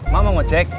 mak mau ngecek